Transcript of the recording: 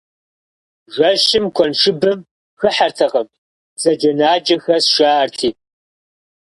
Жэщым куэншыбым хыхьэртэкъым, бзаджэнаджэ хэсщ, жаӏэрти.